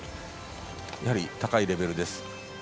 やはり高いレベルです。